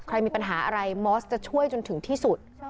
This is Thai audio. ใครมีปัญหาอะไรมอสจะช่วยจนถึงที่สุด